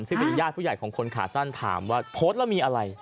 ซึ่งเป็นญาติผู้ใหญ่ของคนขาสั้นถามว่าโพสต์แล้วมีอะไร